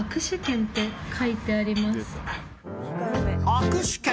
握手券？